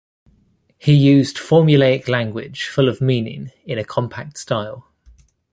He used formulaic language full of meaning in a compact style.